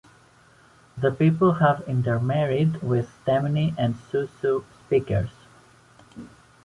The people have intermarried with Temne and Susu speakers.